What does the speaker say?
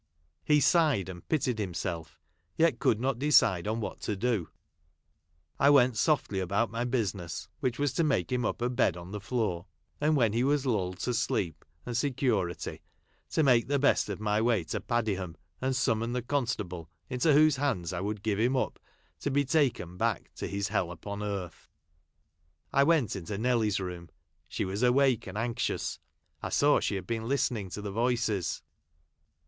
He sighed and pitied himself, yet .could not decide! on what to do. I went softly about iny bnsim ss, which was to make him up a bed on the floor ; and, when he was lulled to sleep and security, to make the best' of <my way to Padiham, and summon the constable, into whose hands I would give htm up to be taken buck to his " hell ti]x>n earth." I went into Nelly's room. She was awake, and anxious. I saw she had been listening to the voices.